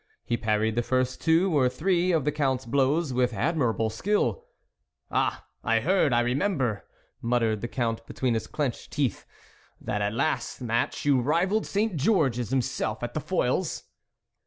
He parried the first two or three of the Count's blows with admir able skill. " Ah, I heard, I remember," muttered the Count between his clenched teeth, " that at the last match you rivalled Saint Georges himself at the foils."